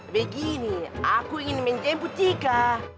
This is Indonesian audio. begini aku ingin menjemput jika